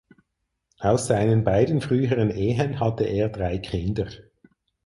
Aus seinen beiden früheren Ehen hatte er drei Kinder.